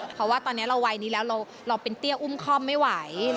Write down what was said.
เพราะว่าตอนนี้เราวัยนี้แล้วเราเป็นเตี้ยอุ้มคล่อมไม่ไหว